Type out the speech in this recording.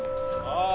ああ。